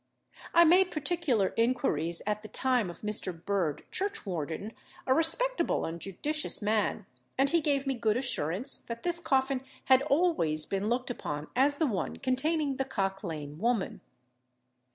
I made particular inquiries at the time of Mr. Bird, churchwarden, a respectable and judicious man; and he gave me good assurance that this coffin had always been looked upon as the one containing the Cock Lane woman.